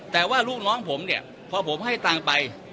แต่ว่าลูกน้องผมเนี่ยพอผมให้ตังค์ไป